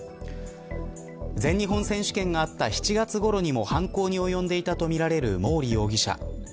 全日本選手権があった７月ごろにも犯行に及んでいたとみられる毛利容疑者。